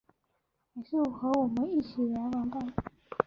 还是和我们一起来玩吧